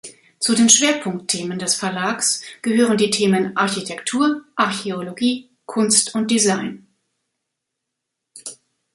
Zu den Schwerpunktthemen des Verlags gehören die Themen Architektur, Archäologie, Kunst und Design.